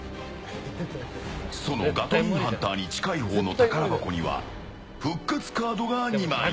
そのガトリンハンターに近いほうの宝箱には復活カードが２枚。